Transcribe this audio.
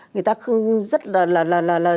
người ta rất là